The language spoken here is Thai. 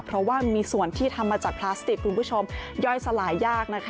เพราะว่ามีส่วนที่ทำมาจากพลาสติกคุณผู้ชมย่อยสลายยากนะคะ